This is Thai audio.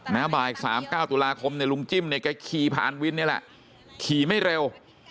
นาบาย๓๙ตุลาคมลุงจิ้มก็ขี่ผ่านวินนี่แหละขี่ไม่เร็ว